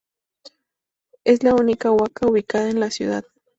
Es la única huaca ubicada en la ciudad.